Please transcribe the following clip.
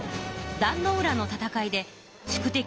壇ノ浦の戦いで宿敵